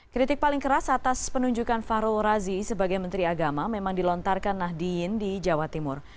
kritik paling keras atas penunjukan fahrul razi sebagai menteri agama memang dilontarkan nahdiyin di jawa timur